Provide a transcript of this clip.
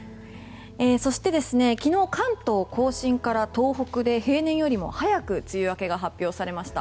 そして、昨日関東・甲信から東北で平年よりも早く梅雨明けが発表されました。